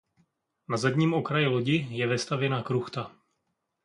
Na zadním okraji lodi je vestavěna kruchta.